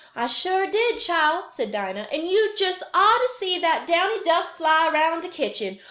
"I suah did, chile," said Dinah, "and you jest ought ter see that Downy duck fly 'round de kitchen.